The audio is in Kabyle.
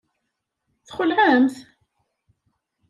Txelɛemt?